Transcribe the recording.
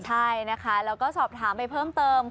ใช่นะคะแล้วก็สอบถามไปเพิ่มเติม